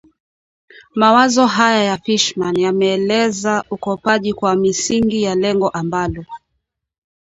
Mawazo haya ya Fishman yameeleza ukopaji kwa misingi ya lengo ambalo